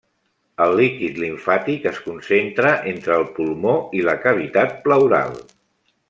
El líquid limfàtic es concentra entre el pulmó i la cavitat pleural.